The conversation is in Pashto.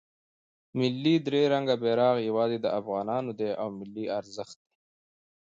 ملی درې رنګه بیرغ یواځې د افغانانو دی او یو ملی ارزښت دی.